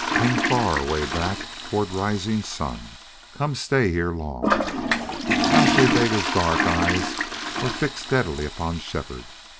Come far way back toward rising sun. Come stay here long." Nas Ta Bega's dark eyes were fixed steadily upon Shefford.